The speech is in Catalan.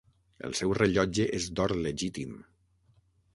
El seu rellotge és d'or legítim.